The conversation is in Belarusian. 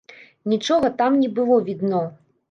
Нічога там не было відно.